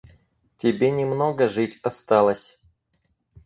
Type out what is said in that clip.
Тебе не много жить осталось.